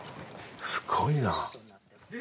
すごいな。